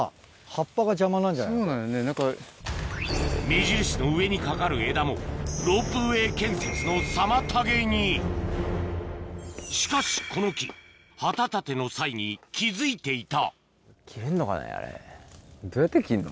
目印の上にかかる枝もロープウエー建設の妨げにしかしこの木旗立ての際に気付いていた登って先っちょバシン！